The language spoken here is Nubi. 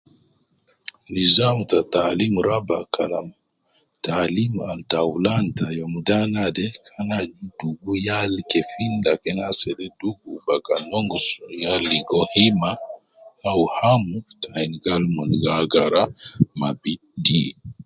Nizam ta taalim raba kalam taalim al taulan ta youm da naade kan aju dugu yal kefin lakin asede dugu bakan nongus, yal ligo hima au hamu te ain gal mon gi agara ma bidi